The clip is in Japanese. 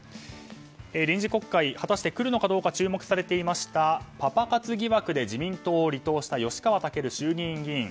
臨時国会、果たして来るのかどうか注目されていたパパ活疑惑で自民党を離党した吉川赳衆議院議員。